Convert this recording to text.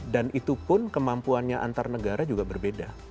dan itu pun kemampuannya antar negara juga berbeda